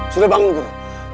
sudah bangun guru